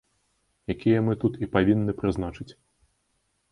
Якія мы тут і павінны прызначыць.